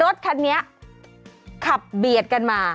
รถคันนี้ขับเบียดกันมา